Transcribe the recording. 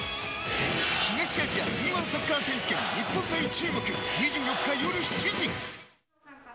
東アジアＥ‐１サッカー選手権日本対中国２４日、夜７時。